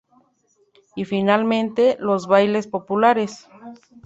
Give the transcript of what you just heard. Y finalmente, los bailes populares.